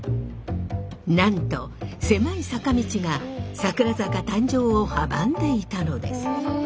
なんと狭い坂道が桜坂誕生を阻んでいたのです。